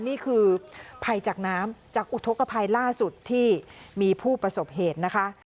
นี่คือภัยจากน้ำจากอุทธกภัยล่าสุดที่มีผู้ประสบเหตุนะคะ